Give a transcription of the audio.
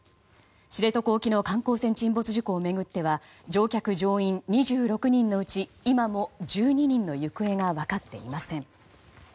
知床沖の観光船沈没事故を巡っては乗客・乗員２６人のうち今も１２人の行方が分かっていません。